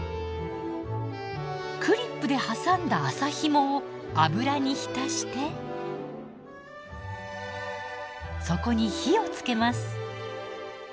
クリップで挟んだ麻ひもを油に浸してそこに火をつけます。